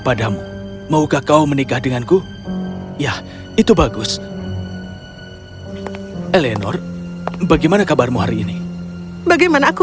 padamu maukah kau menikah denganku ya itu bagus eleanor bagaimana kabarmu hari ini bagaimana aku